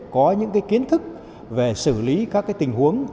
có những kiến thức về xử lý các tình huống